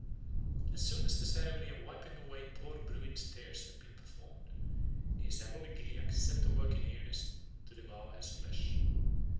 As soon as the ceremony of wiping away poor bruin's tears had been performed, the assembled Gilyaks set to work in earnest to devour his flesh.